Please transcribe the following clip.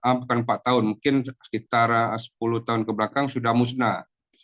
bahkan empat tahun mungkin sekitar sepuluh tahun kebelakang sudah musnah